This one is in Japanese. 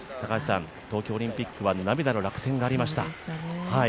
東京オリンピックは、涙の落選がありました。